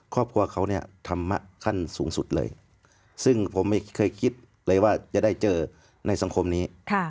ครอบครัวเขาเนี่ยธรรมะขั้นสูงสุดเลยซึ่งผมไม่เคยคิดเลยว่าจะได้เจอในสังคมนี้